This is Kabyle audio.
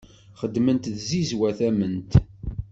Xeddment-d tzizwa tamemt.